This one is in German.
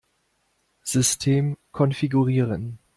System konfigurieren.